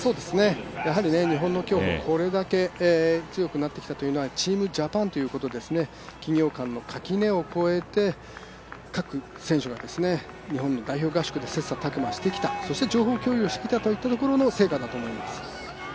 日本の競歩、これだけ強くなってきたというのはチームジャパンということで企業間の垣根を越えて各選手が日本の代表合宿で切磋琢磨してきたそして情報共有をしてきたからこその成果だと思います。